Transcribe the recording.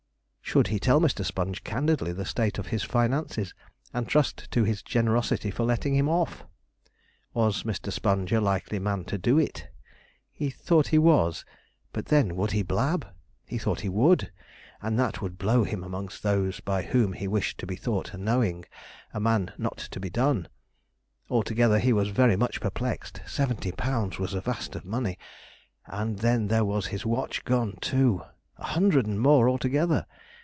Should he tell Mr. Sponge candidly the state of his finances, and trust to his generosity for letting him off? Was Mr. Sponge a likely man to do it? He thought he was. But, then, would he blab? He thought he would, and that would blow him among those by whom he wished to be thought knowing, a man not to be done. Altogether he was very much perplexed: seventy pounds was a vast of money; and then there was his watch gone, too! a hundred and more altogether.